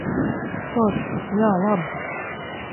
Forši. Jā, labi.